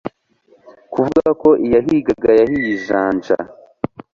kuvuga ko iyahigaga yahiye ijanja